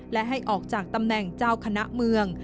และให้ออกจากตำแหน่งเจ้าคณะเมือง